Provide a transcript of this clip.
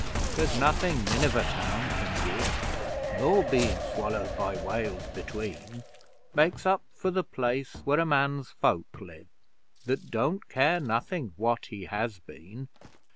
There's nothing Nineveh Town can give (Nor being swallowed by whales between), Makes up for the place where a man's folk live, That don't care nothing what he has been.